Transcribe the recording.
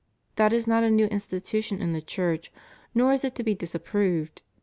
That is not a new institution in the Church, nor is it to be disapproved.